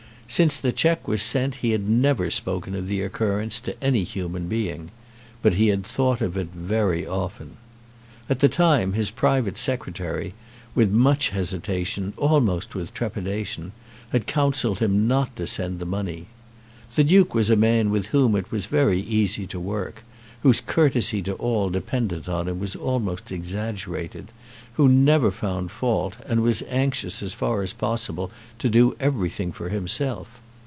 Since the cheque was sent he had never spoken of the occurrence to any human being, but he had thought of it very often. At the time his private Secretary, with much hesitation, almost with trepidation, had counselled him not to send the money. The Duke was a man with whom it was very easy to work, whose courtesy to all dependent on him was almost exaggerated, who never found fault, and was anxious as far as possible to do everything for himself.